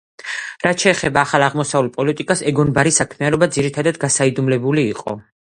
რაც შეეხება ახალ აღმოსავლურ პოლიტიკას, ეგონ ბარის საქმიანობა ძირითადად გასაიდუმლოებული იყო.